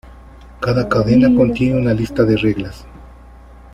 Cada cadena contiene una lista de reglas.